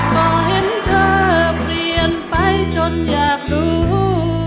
ก็เห็นเธอเปลี่ยนไปจนอยากรู้